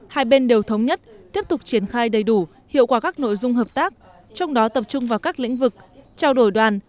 hai bên đều thống nhất tiếp tục triển khai đầy đủ hiệu quả các nội dung hợp tác trong đó tập trung vào các lĩnh vực trao đổi đoàn